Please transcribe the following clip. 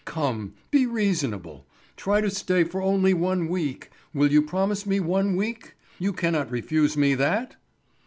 Come, be reasonable. Try to stay for only one week. Will you promise me one week? You cannot refuse me that?"